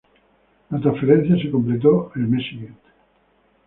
La transferencia se completó el mes siguiente.